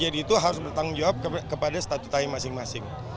jadi itu harus bertanggung jawab kepada statuta yang masing masing